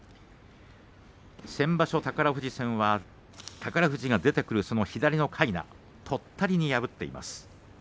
先場所の宝富士戦は宝富士が出てくる左のかいなとったりに破っています。